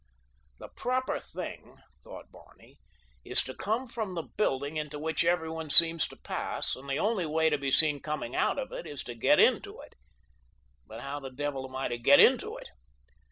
"The proper thing," thought Barney, "is to come from the building into which everyone seems to pass, and the only way to be seen coming out of it is to get into it; but how the devil am I to get into it?"